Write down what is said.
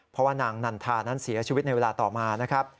เพราะว่านางนันทานั้นเสียชีวิตในเวลาต่อมานะครับ